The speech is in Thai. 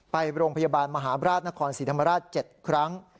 ไปโรงพยาบาลมหาบราชนครศรีธรรมราช๗ครั้ง